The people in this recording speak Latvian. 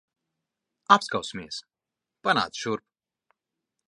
Apskausimies. Panāc šurp.